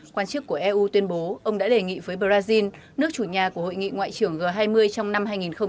quan chức của eu tuyên bố ông đã đề nghị với brazil nước chủ nhà của hội nghị ngoại trưởng g hai mươi trong năm hai nghìn hai mươi